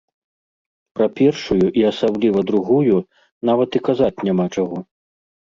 Пра першую і асабліва другую нават і казаць няма чаго.